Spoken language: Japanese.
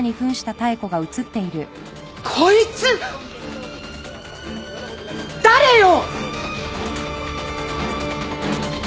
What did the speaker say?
こいつ誰よ！？